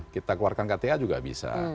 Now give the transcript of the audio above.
kita keluarkan kta juga bisa